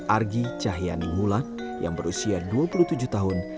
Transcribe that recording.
argi cahyaning hulat yang berusia dua puluh tujuh tahun